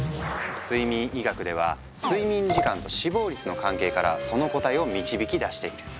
睡眠医学では睡眠時間と死亡率の関係からその答えを導き出している。